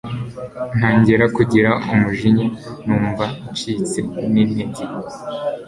ntangira kugira umujinya numva ncitse nintege